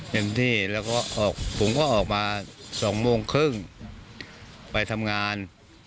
เต็มที่แล้วก็ออกผมก็ออกมา๒โมงครึ่งไปทำงาน